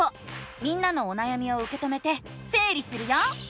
みんなのおなやみをうけ止めてせい理するよ！